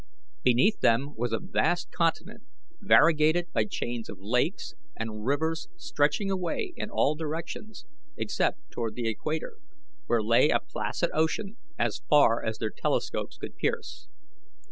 Beneath them was a vast continent variegated by chains of lakes and rivers stretching away in all directions except toward the equator, where lay a placid ocean as far as their telescopes could pierce.